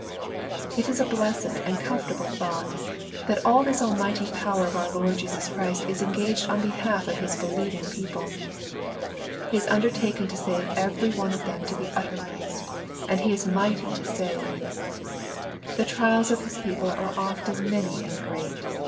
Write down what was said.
It is a blessed and comfortable thought, that all this almighty power of our Lord Jesus Christ is engaged on behalf of His believing people. He has undertaken to save every one of them to the uttermost, and He is "might jjfco save.'' "fhe trials of His people are often many and great.